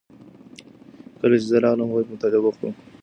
کله چې زه راغلم هغوی په مطالعه بوخت وو.